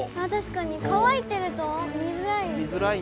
かわいてると見づらい。